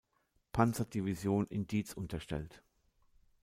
Panzerdivision in Diez unterstellt.